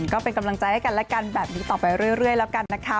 ก็เป็นกำลังใจให้กันและกันแบบนี้ต่อไปเรื่อยแล้วกันนะคะ